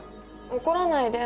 怒らないで。